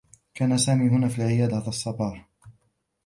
كان سامي هنا في العيادة هذا الصّباح.